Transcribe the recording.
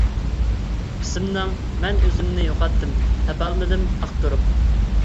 قىسمىنىڭ. مەن ئۆزۈمنى يوقاتتىم، تاپالمىدىم ئاختۇرۇپ.